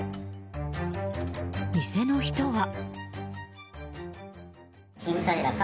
店の人は。